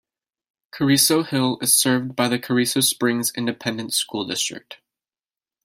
Carrizo Hill is served by the Carrizo Springs Independent School District.